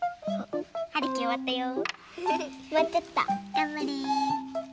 がんばれ。